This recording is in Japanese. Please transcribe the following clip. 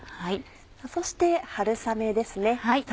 そして春雨ですね。